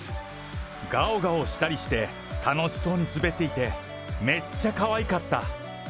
がおがおしたりして、楽しそうに滑っていて、めっちゃかわいかった！